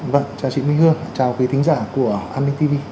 vâng chào chị minh hương chào quý khán giả của anmin tv